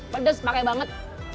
pedas pakai banget